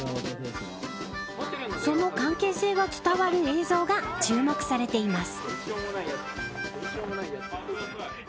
その関係性が伝わる映像が注目されています。